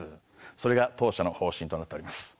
それが当社の方針となっております。